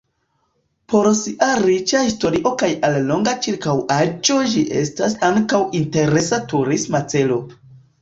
Por sia riĉa historio kaj alloga ĉirkaŭaĵo ĝi estas ankaŭ interesa turisma celo.